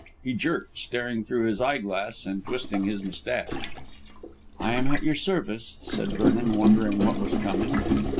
he jerked, staring through his eyeglass and twisting his moustache. "I am at your service," said Vernon, wondering what was coming.